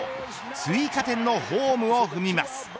追加点のホームを踏みます。